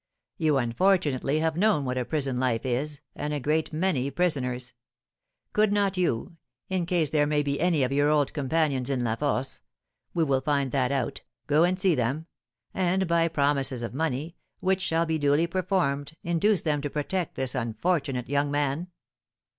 You unfortunately have known what a prison life is, and a great many prisoners; could not you, in case there may be any of your old companions in La Force (we will find that out), go and see them, and, by promises of money, which shall be duly performed, induce them to protect this unfortunate young man?'"